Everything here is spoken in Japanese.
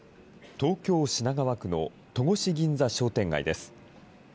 東京・品川区の戸越銀座商店街です。